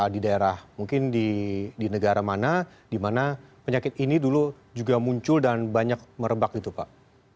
di daerah mungkin di negara mana di mana penyakit ini dulu juga muncul dan banyak merebak gitu pak